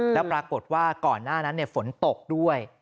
แล้วปรากฏว่าก่อนหน้านั้นฝนตกด้วย